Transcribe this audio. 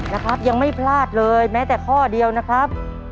นะครับยังไม่พลาดเลยแม้แต่ข้อเดียวนะครับ